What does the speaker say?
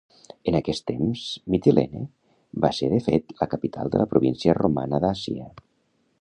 En aquest temps Mitilene va ser de fet la capital de la província romana d'Àsia.